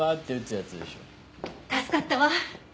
助かったわ。